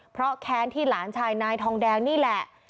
เพราะแค้นที่หลานชายนายทองแดงนี่แหละ